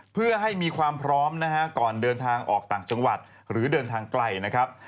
เพื่อให้มีความพร้อมนะฮะก่อนเดินทางออกต่างจังหวัดหรือเดินทางไกลนะครับ